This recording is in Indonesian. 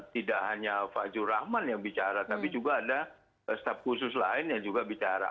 tidak hanya fajur rahman yang bicara tapi juga ada staf khusus lain yang juga bicara